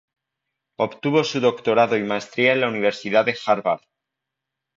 Obtuvo su doctorado y maestría en la Universidad de Harvard.